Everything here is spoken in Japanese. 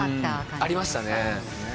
ありましたね。